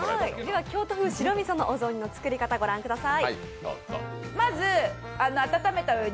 京都風・白みそのお雑煮の作り方ご覧ください。